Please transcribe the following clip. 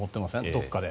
どこかで。